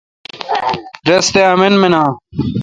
رستہ آمن مینا۔